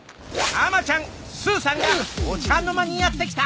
ハマちゃんスーさんがお茶の間にやってきた。